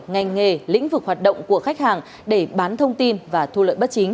ngành nghề lĩnh vực hoạt động của khách hàng để bán thông tin và thu lợi bất chính